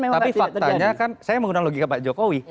tapi faktanya kan saya menggunakan logika pak jokowi